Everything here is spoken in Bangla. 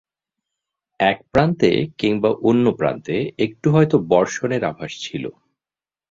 এক প্রান্তে কিম্বা অন্য প্রান্তে একটু হয়তো বর্ষণের আভাস ছিল।